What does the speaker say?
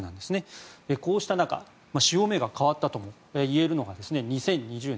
こうした中潮目が変わったともいえるのが２０２０年。